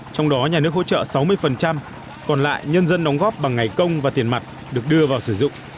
trong đó nhà nước hỗ trợ sáu mươi còn lại nhân dân đóng góp bằng ngày công và tiền mặt được đưa vào sử dụng